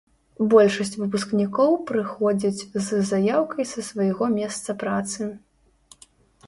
Большасць выпускнікоў прыходзяць з заяўкай са свайго месца працы.